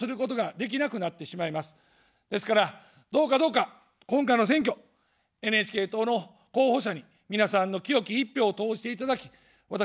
ですから、どうかどうか、今回の選挙、ＮＨＫ党の候補者に皆さんの清き一票を投じていただき、私どもを助けてください。